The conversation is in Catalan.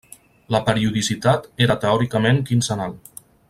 La periodicitat era teòricament quinzenal.